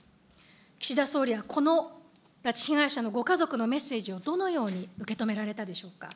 岸田総理はこの拉致被害者のご家族のメッセージをどのように受け止められたでしょうか。